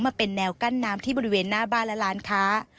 มาเป็นแนวกั้นน้ำที่บริเวณหน้าบ้านและร้านค้า